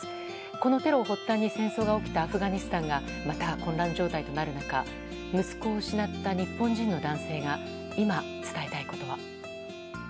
このテロを発端に戦争が起きたアフガニスタンがまた混乱状態となる中息子を失った日本人の男性が今、伝えたいことは。